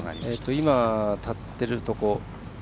今、立っているところ。